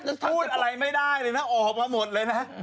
พูดอะไรไม่ได้เลยนะออกมาหมดเลยนะ